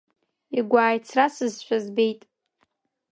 Игәы ааицрасызшәа збеит.